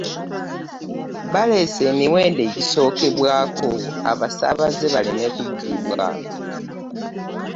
Baleese emiwendo egisookerwako abasaabaze baleme kubbibwa.